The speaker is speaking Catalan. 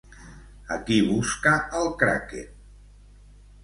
A qui busca el Kraken?